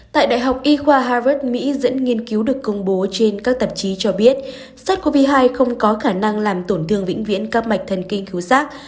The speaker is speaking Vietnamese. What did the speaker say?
tại đại học y khoa harvard mỹ dẫn nghiên cứu được công bố trên các tạp chí cho biết sars cov hai không có khả năng làm tổn thương vĩnh viễn các mạch thần kinh thiếu rác